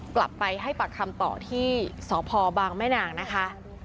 กลับไปให้ปากคำต่อที่สพบางแม่นางนะคะ